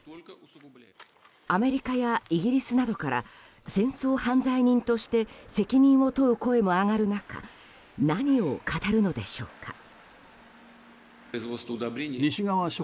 アメリカやイギリスなどから戦争犯罪人として責任を問う声も上がる中何を語るのでしょうか。